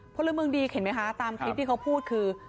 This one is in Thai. พลเมืองดีเห็นไหมคะตามคลิปที่เขาพูดคือ